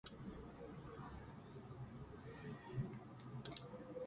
In conclusion, starting a business is a challenging and often stressful journey.